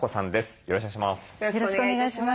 よろしくお願いします。